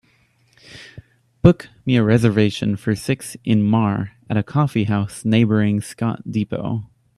Book me a reservation for six in Mar. at a coffeehouse neighboring Scott Depot